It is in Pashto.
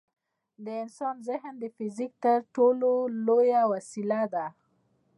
د انسان ذهن د فزیک تر ټولو لوی وسیله ده.